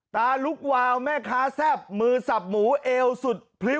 ตาลุกวาวแม่ค้าแซ่บมือสับหมูเอวสุดพริ้ว